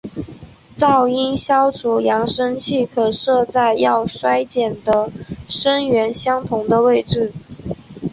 噪音消除扬声器可设在要衰减的声源相同的位置。